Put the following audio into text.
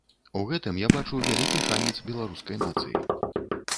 У гэтым я бачу вялікі шанец беларускай нацыі.